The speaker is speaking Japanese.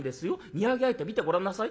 見合い相手見てごらんなさい。